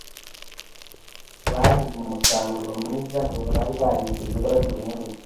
bagize umusaruro mwiza ntibari barigeze bagira umunsi